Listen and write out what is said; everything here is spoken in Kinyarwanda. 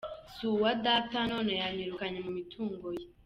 Si uwa Data none yanyirakanye mu mitungo ye.